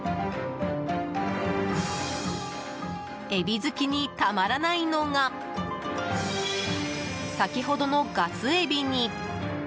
エビ好きにたまらないのが先ほどのガスエビに。